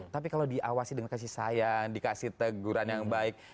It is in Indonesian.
tapi kalau diawasi dengan kasih sayang dikasih teguran yang baik